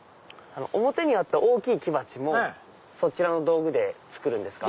表にあった大きい木鉢もそちらの道具で作るんですか？